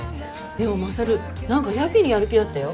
でも勝何かやけにやる気だったよ。